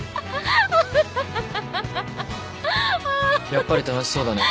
やっぱり楽しそうだね。